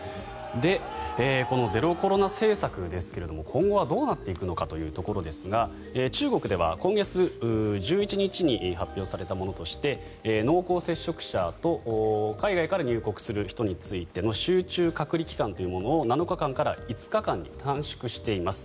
で、このゼロコロナ政策ですが今後はどうなっていくのかというところですが中国では今月１１日に発表されたものとして濃厚接触者と海外から入国する人についての集中隔離期間というものを７日間から５日間に短縮しています。